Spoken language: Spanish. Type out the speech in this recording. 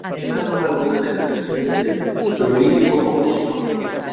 Estas son algunas de las canciones del prolífico compositor.